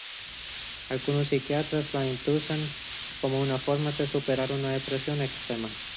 Algunos psiquiatras la inducen como una forma de superar una depresión extrema.